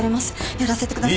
やらせてください。